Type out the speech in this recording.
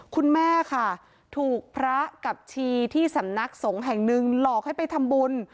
คุณแม่ค่ะถูกพระกับชีที่สำนักสงฆ์แห่งหนึ่งหลอกให้ไปทำบุญ